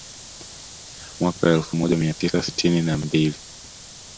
Mwaka elfu moja mia tisa sitini na mbili